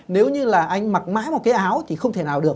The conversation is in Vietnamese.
nếu như là anh mặc mãi một cái áo thì không thể nào được